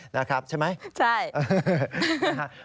นะครับใช่ไหมใช่นะครับใช่นะครับ